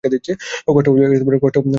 কষ্ট করলে কেষ্ট মিলে।